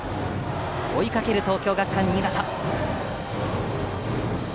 追いかける東京学館新潟。